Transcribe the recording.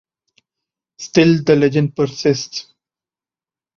Still, the legend persists.